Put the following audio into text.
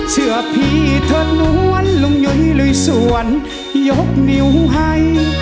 เชื่อพี่เธอล้วนลุงยุ้ยลุยสวนยกนิ้วให้